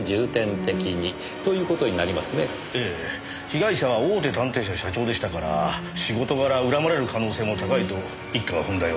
被害者は大手探偵社社長でしたから仕事柄恨まれる可能性も高いと一課は踏んだようです。